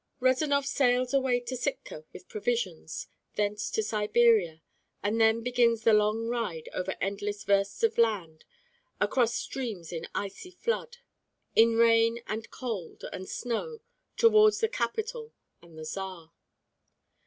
Rezanov sails away to Sitka with provisions, thence to Siberia, and then begins the long ride over endless versts of land, across streams in icy flood, in rain and cold and snow towards the capitol and the Czar.